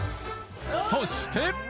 そして！